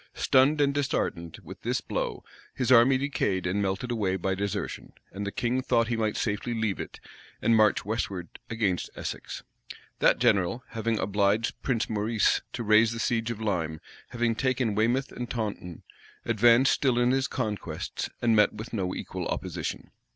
[*] Stunned and disheartened with this blow, his army decayed and melted away by desertion; and the king thought he might safely leave it, and march westward against Essex. That general, having obliged Prince Maurice to raise the siege of Lyme, having taken Weymouth and Taunton, advanced still in his conquests, and met with no equal opposition.